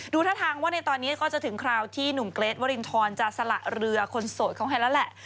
ท่าทางว่าในตอนนี้ก็จะถึงคราวที่หนุ่มเกรทวรินทรจะสละเรือคนโสดเขาให้แล้วแหละ